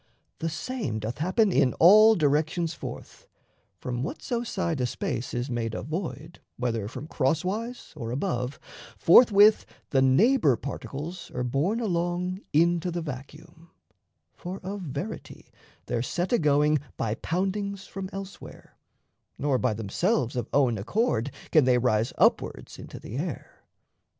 The same doth happen in all directions forth: From whatso side a space is made a void, Whether from crosswise or above, forthwith The neighbour particles are borne along Into the vacuum; for of verity, They're set a going by poundings from elsewhere, Nor by themselves of own accord can they Rise upwards into the air.